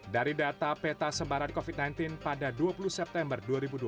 dari data peta sebaran covid sembilan belas pada dua puluh september dua ribu dua puluh